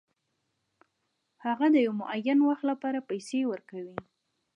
هغه د یو معین وخت لپاره پیسې ورکوي